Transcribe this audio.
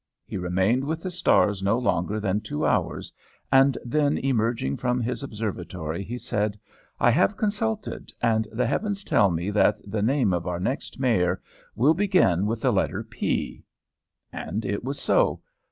He remained with the stars no longer than two hours, and then, emerging from his observatory, he said, 'I have consulted, and the heavens tell me that the name of our next Mayor will begin with the letter P.' And it was so.